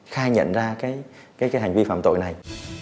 khai nhận ra hành vi phạm tội này